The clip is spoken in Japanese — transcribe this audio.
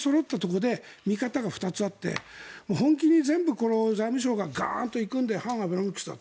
３人そろったところで見方が２つあって本気に全部、財務省がガーンと行くんで反アベノミクスだと。